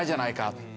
って